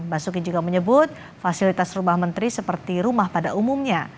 basuki juga menyebut fasilitas rumah menteri seperti rumah pada umumnya